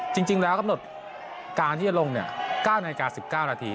จริงแล้วกำหนดการที่จะลง๙นาฬิกา๑๙นาที